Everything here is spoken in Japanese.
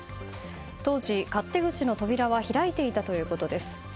当時、勝手口の扉は開いていたということです。